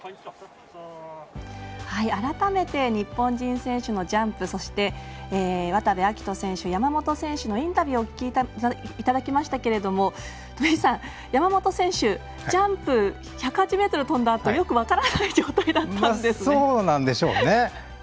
改めて、日本人選手のジャンプ、そして渡部暁斗選手山本選手のインタビューをお聞きいただきましたけれども山本選手、ジャンプ１０８ｍ飛んだあとよく分からない状態だったんですね。